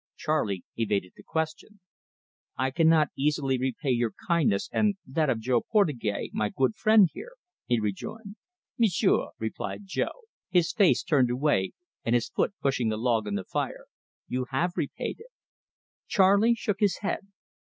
Charley evaded the suggestion. "I cannot easily repay your kindness and that of Jo Portugais, my good friend here," he rejoined. "M'sieu'," replied Jo, his face turned away, and his foot pushing a log on the fire, "you have repaid it." Charley shook his head.